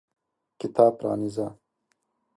کتاب پرانیزه !